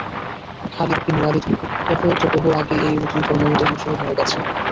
Khalid bin Walid তো বহু আগেই এই নতুন ধর্মমতের অনুসারী হয়ে গেছে।